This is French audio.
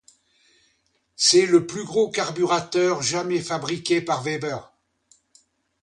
C'est le plus gros carburateur jamais fabriqué par Weber.